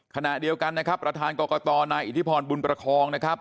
ขณะเดียวกันนะครับประธานกรกตนายอิทธิพรบุญประคองนะครับ